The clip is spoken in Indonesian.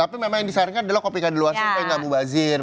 tapi memang yang disarankan adalah kopi kadul arsa kayak gak mau bazir